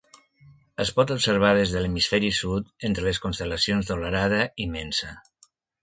Es pot observar des de l'hemisferi sud, entre les constel·lacions de l'Orada i Mensa.